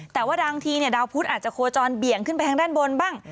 แต่ว่าบางทีดาวพุทธอาจจะโคจรเบี่ยงขึ้นไปทางด้านบนบ้าง